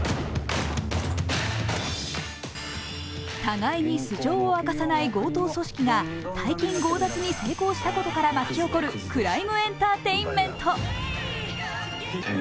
互いに素性を明かさない強盗組織が大金強奪に成功したことから巻き起こるクライムエンターテインメント。